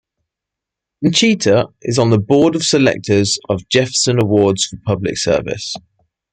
Nechita is on the Board of Selectors of Jefferson Awards for Public Service.